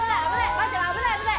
待って危ない危ない！